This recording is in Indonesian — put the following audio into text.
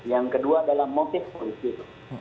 yang kedua adalah motif politik